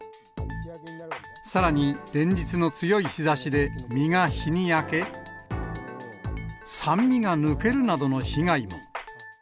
さらに連日の強い日ざしで実が日に焼け、酸味が抜けるなどの被害も。